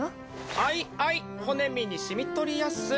あいあい骨身に染みとりやす。